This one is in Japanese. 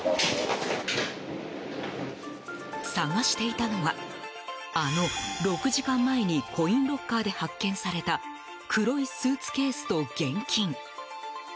探していたのはあの６時間前にコインロッカーで発見された黒いスーツケースと現金。